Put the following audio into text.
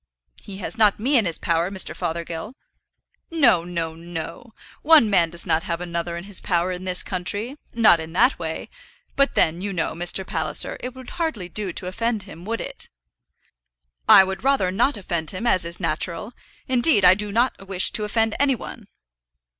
"He has not me in his power, Mr. Fothergill." "No, no, no. One man does not have another in his power in this country, not in that way; but then you know, Mr. Palliser, it would hardly do to offend him; would it?" "I would rather not offend him, as is natural. Indeed, I do not wish to offend any one."